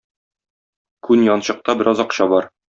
Күн янчыкта бераз акча бар.